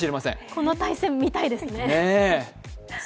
この対戦、見たいですね。